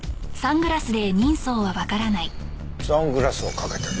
サングラスをかけてる。